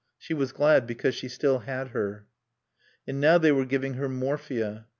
She was glad because she still had her. And now they were giving her morphia.